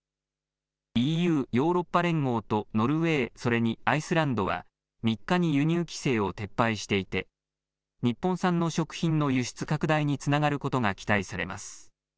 ＥＵ、ヨーロッパ連合とノルウェーそれにアイスランドは３日に輸入規制を撤廃していて日本産の食品の輸出拡大につながることが期待されます。